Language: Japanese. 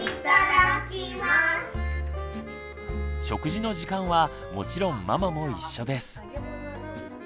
食事の時間はもちろんママも一緒です。